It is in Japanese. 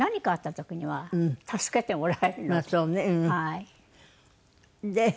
はい。